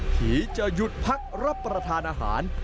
ผีจะหยุดพักรับประทานอาหาร